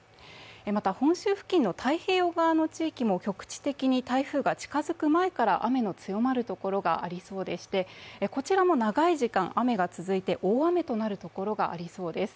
また、本州付近の太平洋側の地域も局地的に台風が近付く前から雨の強まるところがありそうでして、こちらも長い時間、雨が続いて、大雨となるところがありそうです。